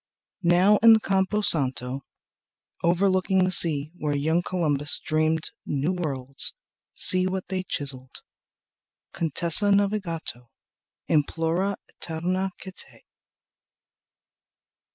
Now in the Campo Santo overlooking The sea where young Columbus dreamed new worlds, See what they chiseled: "Contessa Navigato Implora eterna quiete."